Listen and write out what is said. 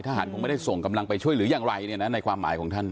ทหารไม่ได้ส่งไปช่วยหรือยังไงในความหมายของท่าน